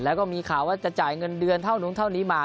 แล้วก็มีข่าวว่าจะจ่ายเงินเดือนเท่านู้นเท่านี้มา